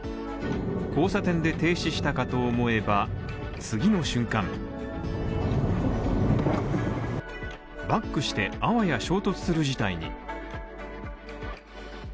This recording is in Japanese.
交差点で停止したかと思えば次の瞬間、バックして、あわや衝突する事態に。